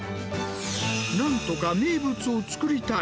なんとか名物を作りたい。